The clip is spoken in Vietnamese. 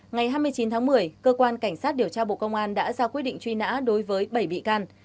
ngày hai mươi chín tháng một mươi cơ quan cảnh sát điều tra bộ công an đã ra quyết định truy nã đối với bảy bị can